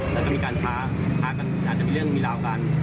แล้วก็มีการท้ากันอาจจะมีเรื่องมีราวกัน